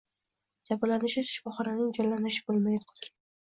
Jabrlanuvchi shifoxonaning jonlantirish bo‘limiga yotqizilgan